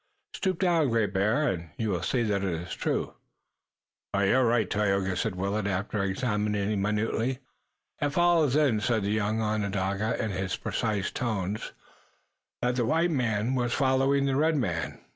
Stoop down, Great Bear, and you will see that it is true." "You're right, Tayoga," said Willet, after examining minutely. "It follows, then," said the young Onondaga, in his precise tones, "that the white man was following the red men."